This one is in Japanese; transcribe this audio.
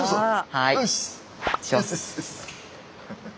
はい。